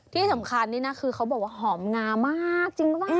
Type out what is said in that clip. ที่สำคัญคือเขาบอกว่าหอมงามาก